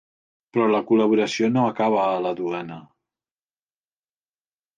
Però la col·laboració no acaba a la duana.